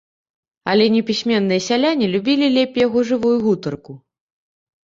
Але непісьменныя сяляне любілі лепей яго жывую гутарку.